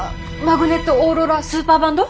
マグネット・オーロラ・スーパーバンド！